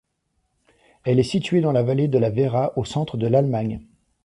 Elle est située dans la vallée de la Werra au centre de l'Allemagne.